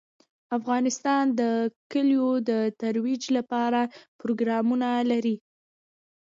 افغانستان د کلیو د ترویج لپاره پروګرامونه لري.